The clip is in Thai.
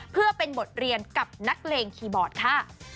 เพื่อเป็นบทเรียนกับนักเลงคีย์บอร์ดค่ะ